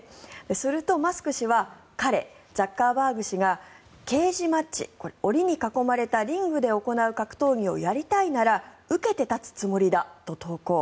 するとマスク氏は彼、ザッカーバーグ氏がケージマッチ、これは檻で囲まれたリングで格闘技をやりたいなら受けて立つつもりだと投稿。